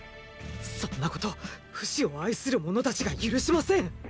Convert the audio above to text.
そんなことフシを愛する者たちが許しません！